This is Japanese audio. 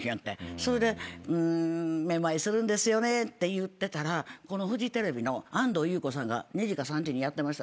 それで目まいするんですよねって言ってたらフジテレビの安藤優子さんが２時か３時にやってましたね。